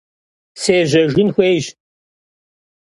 Sêjejjın xuêyş.